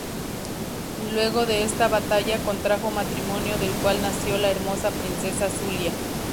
Luego de esa batalla contrajo matrimonio del cual nació la hermosa princesa Zulia.